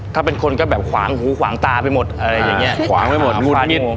ถ้าเป็นคนก็แบบขวางหูขวางตาไปหมดอะไรอย่างเงี้ยขวางไว้หมดงุดหงิด